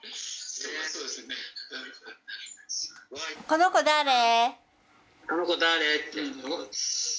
この子誰？って。